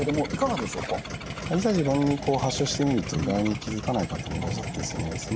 いざ自分に発症してみると意外に気付かない方もいらっしゃってですね